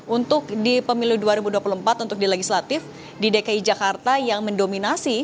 untuk di pemilu dua ribu dua puluh empat untuk di legislatif di dki jakarta yang mendominasi